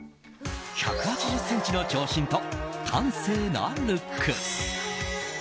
１８０ｃｍの長身と端正なルックス。